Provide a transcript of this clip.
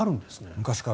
昔から。